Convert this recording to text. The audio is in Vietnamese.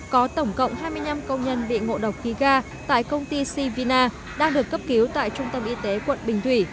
có tổng cộng hai mươi năm công nhân bị ngộ độc khí ga tại công ty sivina đang được cấp cứu tại trung tâm y tế quận bình thủy